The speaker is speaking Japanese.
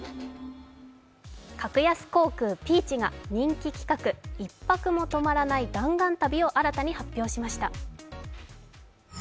格安航空・ピーチが人気企画、１泊も止まらない弾丸旅を新たに発表しました。